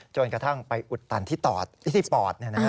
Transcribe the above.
จนกระทั่งไปอุดตันที่ปอด